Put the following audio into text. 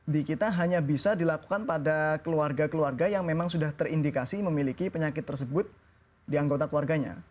di kita hanya bisa dilakukan pada keluarga keluarga yang memang sudah terindikasi memiliki penyakit tersebut di anggota keluarganya